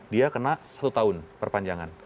dia kena satu tahun perpanjangan